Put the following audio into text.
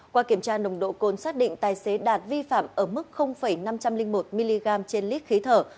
qua kiểm tra nồng độ cồn xác định tài xế đạt vi phạm ở mức năm trăm linh một mg trên lít khí thở